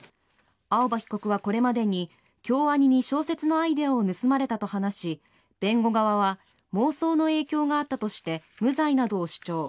青葉被告は、これまでに京アニに小説のアイデアを盗まれたと話し弁護側は妄想の影響があったとして無罪などを主張。